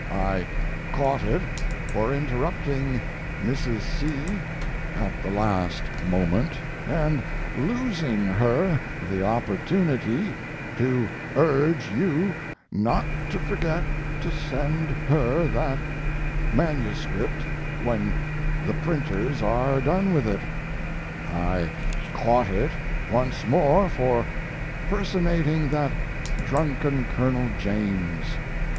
I "caught it" for interrupting Mrs. C. at the last moment and losing her the opportunity to urge you not to forget to send her that MS. when the printers are done with it. I "caught it" once more for personating that drunken Colonel James.